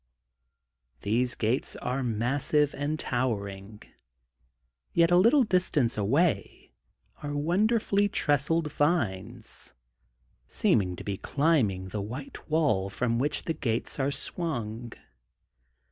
These gates are massive and towering, yet a little distance away are wonderfully trel lised vines, seeming to be climbing the white wall from which the gates are swung.